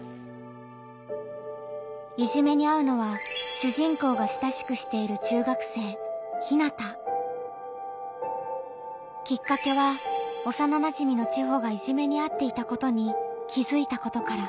いじめにあうのは主人公が親しくしている中学生きっかけはおさななじみのちほがいじめにあっていたことに気づいたことから。